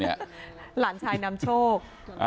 หลานชายนำโชค